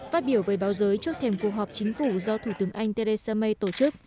phát biểu với báo giới trước thềm cuộc họp chính phủ do thủ tướng anh theresa may tổ chức